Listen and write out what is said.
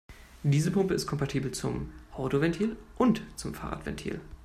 Diese Pumpe ist kompatibel zum Autoventil und zum Fahrradventil.